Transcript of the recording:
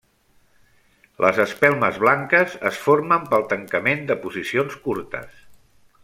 Les espelmes blanques es formen pel tancament de posicions curtes.